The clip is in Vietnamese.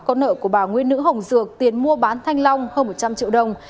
con nợ của bà nguyễn nữ hồng dược tiền mua bán thanh long hơn một trăm linh triệu đồng